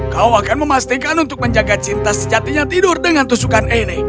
kau akan memastikan untuk menjaga cinta sejatinya tidur dengan tusukan ini